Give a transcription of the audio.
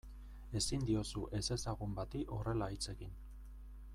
Ezin diozu ezezagun bati horrela hitz egin.